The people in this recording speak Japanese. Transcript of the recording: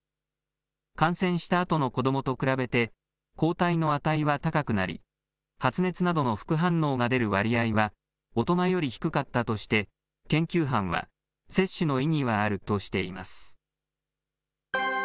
感染したあとの子どもと比べて、抗体の値は高くなり、発熱などの副反応が出る割合は大人より低かったとして、研究班は、接種の意義はあるとしています。